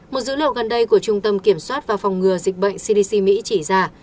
một dữ liệu gần đây của trung tâm kiểm soát và phòng ngừa dịch bệnh cdc mỹ chỉ ra